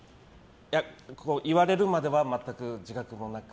いや、言われるまでは全く自覚もなく。